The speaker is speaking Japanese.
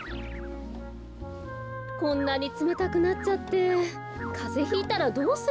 こんなにつめたくなっちゃってかぜひいたらどうするの？